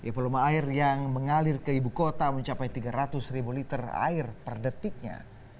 evoluma air yang mengalir ke ibu kota mencapai tiga ratus ribu liter air per detiknya